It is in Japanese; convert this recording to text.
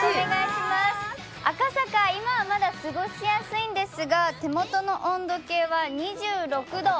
赤坂、今はまだ過ごしやすいんですが、手元の温度計は２６度。